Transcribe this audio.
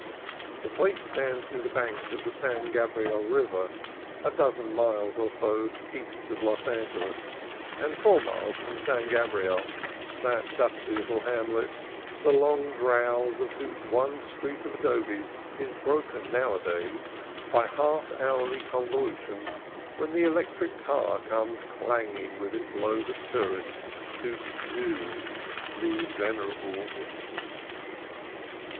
The place stands near the bank of the San Gabriel River, a dozen miles or so east of Los Angeles, and four 6 CALIFORNIA COAST TRAILS miles from San Gabriel, that dusty little hamlet the long drowse of whose one street of adobes is broken nowadays by half hourly convulsions when the elec tric car comes clanging with its load of tourists to "do" the venerable Mission.